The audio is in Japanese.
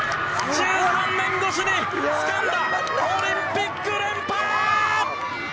１３年越しにつかんだオリンピック連覇！